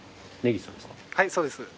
はいそうです。